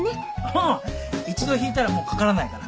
ああ一度ひいたらもうかからないから。